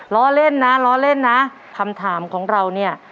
ล้อเล่นนะล้อเล่นนะคำถามของเราเนี่ย